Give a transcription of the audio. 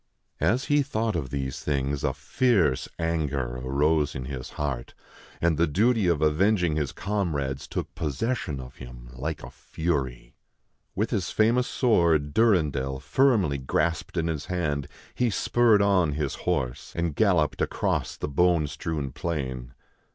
" As he thought of these things, a fierce anger arose in his heart ; and the duty of avenging his comrades took possession of him, like a fury. With his famous sword, Durandel, firmly grasped in his hand, he spurred on his horse, and galloped 134 THE FAIRY SPINNING WHEEL across the bone strewn plain.